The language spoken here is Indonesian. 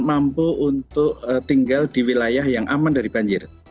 mampu untuk tinggal di wilayah yang aman dari banjir